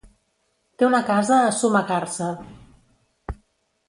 Té una casa a Sumacàrcer.